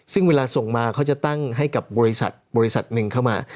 ซึ่งเวลาส่งมาเขาจะตั้งให้กับบริษัทบริษัทหนึ่งเข้ามา